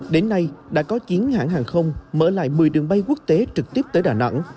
đến nay đã có chín hãng hàng không mở lại một mươi đường bay quốc tế trực tiếp tới đà nẵng